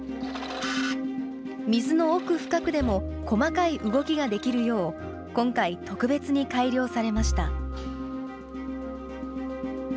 水の奥深くでも細かい動きができるよう、今回、特別に改良されました。